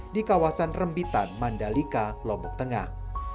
di kawasan rembitan mandalika lombok tengah